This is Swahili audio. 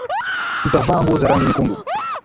Tutavaa nguo za rangi nyekundu